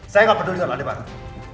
saya gak peduli soal aldebaran